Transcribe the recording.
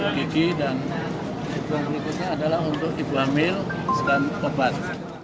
yang berikutnya adalah untuk ibu hamil dan bebas